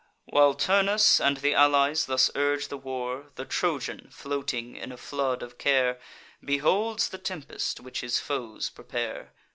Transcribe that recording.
While Turnus and th' allies thus urge the war, The Trojan, floating in a flood of care, Beholds the tempest which his foes prepare.